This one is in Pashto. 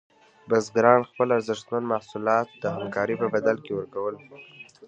بزګران خپل ارزښتمن محصولات د همکارۍ په بدل کې ورکول.